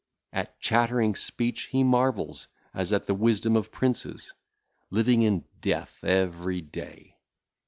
At chattering speech he marvelleth, as at the wisdom of princes, living in death every day.